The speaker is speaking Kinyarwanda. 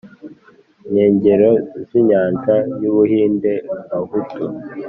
nkengero z inyanja y u Buhinde Bahutu